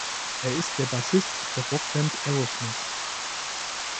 Er ist der Bassist der Rockband Aerosmith.